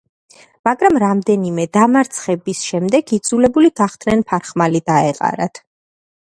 მაგრამ რამდენიმე დამარცხების შემდეგ იძულებული გახდნენ ფარხმალი დაეყარათ.